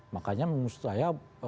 makanya menurut saya